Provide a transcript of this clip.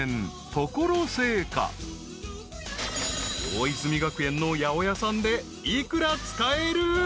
［大泉学園の八百屋さんで幾ら使える？］